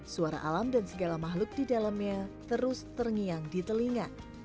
suara alam dan segala makhluk di dalamnya terus terngiang di telinga